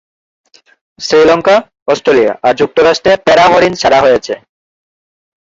Sri Lanka, Australia আর যুক্তরাষ্ট্রে প্যারা হরিণ ছাড়া হয়েছে।